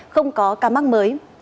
không có ca mắc mới